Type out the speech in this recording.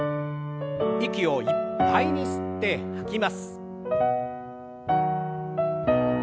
息をいっぱいに吸って吐きます。